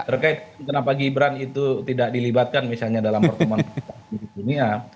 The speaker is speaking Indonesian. terkait kenapa gibran itu tidak dilibatkan misalnya dalam pertemuan di dunia